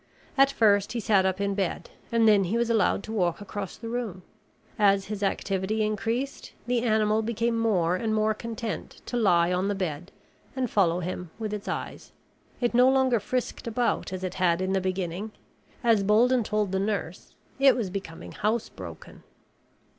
At first he sat up in bed and then he was allowed to walk across the room. As his activity increased, the animal became more and more content to lie on the bed and follow him with its eyes. It no longer frisked about as it had in the beginning. As Bolden told the nurse, it was becoming housebroken.